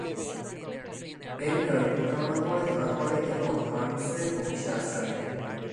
Bender প্রতারণা করে ধরা পড়ে এবং হার্মসের অফিসে আশ্রয় নেয়।